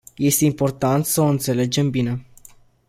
Este important să o înțelegem bine.